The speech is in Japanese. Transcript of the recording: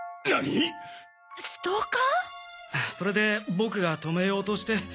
それで僕が止めようとして。